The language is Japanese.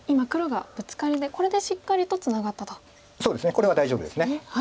これは大丈夫です。